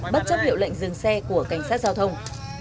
bất chấp hiệu lệnh dừng xe của cảnh sát giao thông